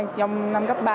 trong năm cấp ba